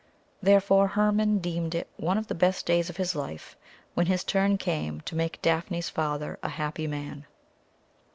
Therefore Hermon deemed it one of the best days of his life when his turn came to make Daphne's father a happy man.